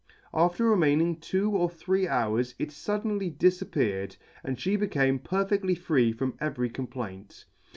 After remaining two or three hours it fuddenly difappeared, and fhe became perfedly free from every complaint.